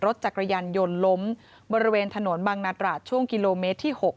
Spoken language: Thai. รถจักรยานยนต์ล้มบริเวณถนนบางนาตราดช่วงกิโลเมตรที่๖